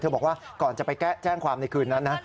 บอกว่าก่อนจะไปแจ้งความในคืนนั้นนะ